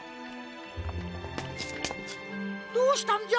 どうしたんじゃ？